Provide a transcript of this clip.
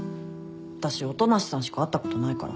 私音無さんしか会ったことないから。